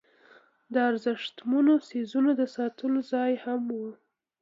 د ارزښتمنو څیزونو د ساتلو ځای هم و.